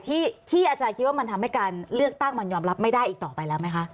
ที่อาจารย์คิดว่ามันทำให้การเลือกตั้งมันยอมรับไม่ได้อีกต่อไปแล้วไหมคะ